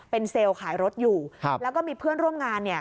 เป็นเซลล์ขายรถอยู่ครับแล้วก็มีเพื่อนร่วมงานเนี่ย